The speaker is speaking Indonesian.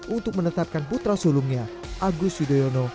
untuk menetapkan putra sulungnya agus yudhoyono